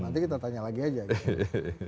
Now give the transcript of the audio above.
nanti kita tanya lagi aja gitu